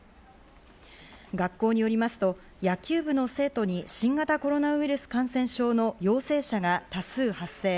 学校によりますと野球部の生徒に新型コロナウイルス感染症の陽性者が多数発生。